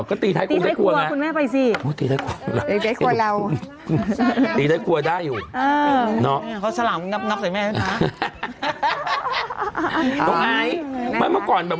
ไปหาแม่ไม่ได้ตรงนั้น